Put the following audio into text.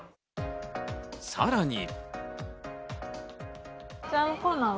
さらに。